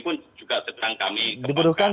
pun juga sedang kami temukan